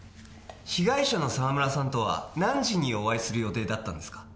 被害者の沢村さんとは何時にお会いする予定だったんですか？